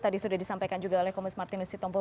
tadi sudah disampaikan juga oleh komis martinus citompo